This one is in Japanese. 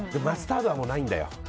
マスタードはもうないんだよ。